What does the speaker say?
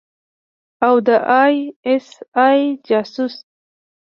او د آى اس آى جاسوس.